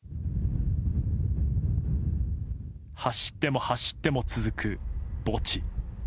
走っても走っても続く墓地。